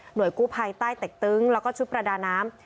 โดยกู้ภัยใต้เต็กตึงแล้วก็ชุดประดาน้ำ